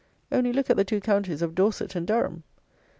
Only look at the two counties of Dorset and Durham.